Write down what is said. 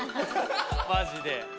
マジで。